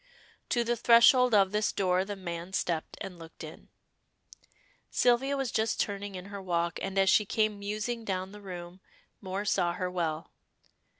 To the threshold of this door the man stepped and looked in. Sylvia was just turning in her walk, and as she came musing down the room, Moor saw her well.